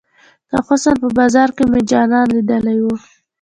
د حسن په بازار کې مې جانان ليدلی وه.